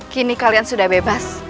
kini kalian sudah bebas